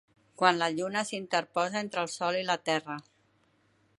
Quan la Lluna s'interposa entre el Sol i la Terra.